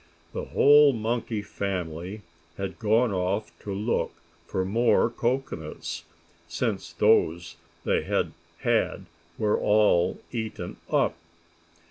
The whole monkey family had gone off to look for more cocoanuts, since those they had had were all eaten up.